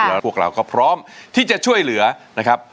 แล้วพวกเราก็พร้อมที่จะช่วยเหลือนะครับ